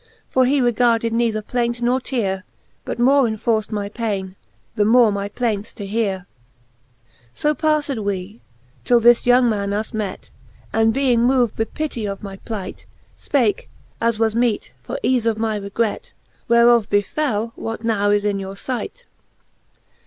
For he regarded neither playnt nor teare. But more enforft my paine,. the more my plaints to hearc, XXIII. So pafled we, till this young man us met^ And being moov'd with pittie of my plight,^ Spake, as was meet, for eale of my regret: Whereof befell, what now is in your fight.